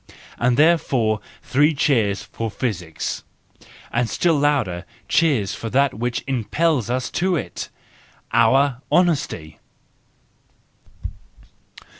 And therefore, three cheers for physics ! And still louder cheers for that which impels us to it— our honesty.